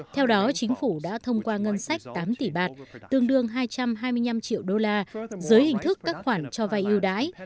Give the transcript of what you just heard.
theo đó chính phủ đã thông qua ngân sách tám tỷ bạt tương đương hai trăm hai mươi năm triệu đô la dưới hình thức các khoản cho vay yêu đãi